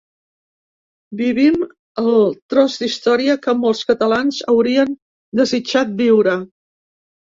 Vivim el tros d’història que molts catalans haurien desitjat viure.